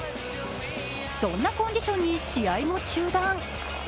そんなコンディションに試合も中断。